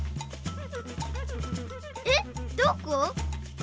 えっどこ？